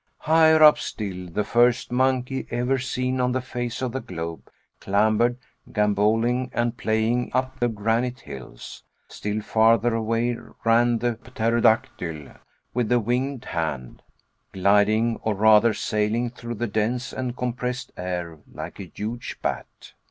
Higher up still, the first monkey ever seen on the face of the globe clambered, gamboling and playing up the granite hills. Still farther away, ran the Pterodactyl, with the winged hand, gliding or rather sailing through the dense and compressed air like a huge bat.